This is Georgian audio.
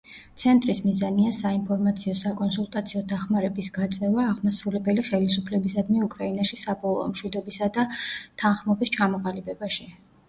ცენტრის მიზანია საინფორმაციო საკონსულტაციო დახმარების გაწევა აღმასრულებელი ხელისუფლებისადმი უკრაინაში საბოლოო მშვიდობისა და თანხმობის ჩამოყალიბებაში.